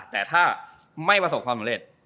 แต่ถ้าไม่ประสบความเศรษฐ์